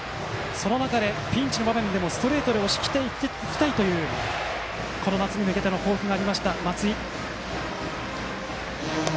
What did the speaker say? その中で、ピンチの場面でもストレートで押していきたいという夏に向けての抱負があった松井。